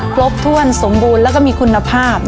ครบถ้วนสมบูรณ์แล้วก็มีคุณภาพ